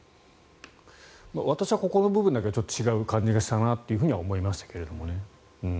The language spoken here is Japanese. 私はここの部分だけはちょっと違う感じがしたなと思いましたけどね。